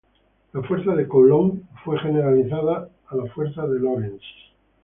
La fuerza de Coulomb fue generalizada a la fuerza de Lorentz.